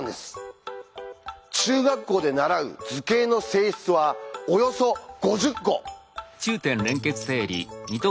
中学校で習う図形の性質はおよそ５０個。